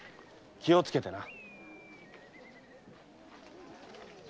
気をつけてな。